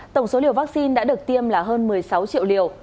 tổng số liều vaccine đã được tiêm là hơn một mươi sáu triệu liều